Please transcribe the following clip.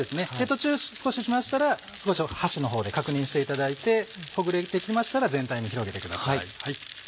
途中少ししましたら箸のほうで確認していただいてほぐれて来ましたら全体に広げてください。